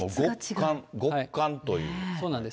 そうなんです。